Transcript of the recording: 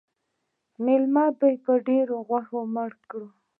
_مېلمه يې په ډېره غوښه مړ کړ.